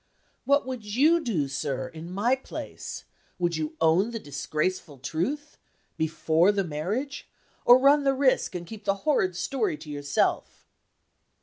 "What would you do, sir, in my place? Would you own the disgraceful truth before the marriage or run the risk, and keep the horrid story to yourself?"